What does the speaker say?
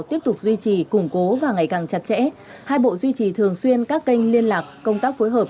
tiếp tục duy trì củng cố và ngày càng chặt chẽ hai bộ duy trì thường xuyên các kênh liên lạc công tác phối hợp